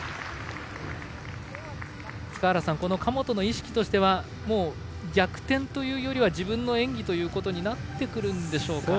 塚原さん、神本の意識としては逆転というよりは自分の演技となってくるでしょうか。